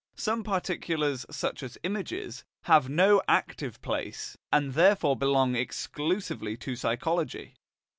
Some particulars, such as images, have no "active" place, and therefore belong exclusively to psychology.